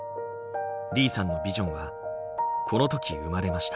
李さんのビジョンはこの時生まれました。